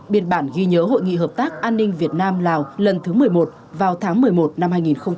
biên bản ghi nhớ hội nghị hợp tác an ninh việt nam lào lần thứ một mươi một vào tháng một mươi một năm hai nghìn hai mươi ba